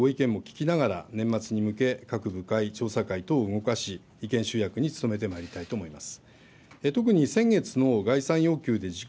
友好団体のご意見も聞きながら、年末に向け、各部会、調査会等動かし、意見集約に努めてまいりたいと思います。